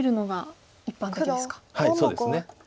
はいそうですね。